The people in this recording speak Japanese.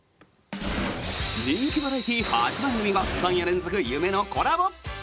人気バラエティー８番組が３夜連続、夢のコラボ！